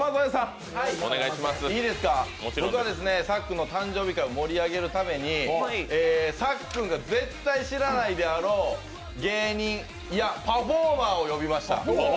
僕はさっくんの誕生日会を盛り上げるためにさっくんが絶対知らないであろう芸人、いやパフォーマーを呼びました。